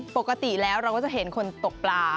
ปกติแล้วเราก็จะเห็นคนตกปลา